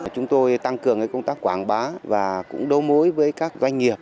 chúng tôi tăng cường công tác quảng bá và cũng đấu mối với các doanh nghiệp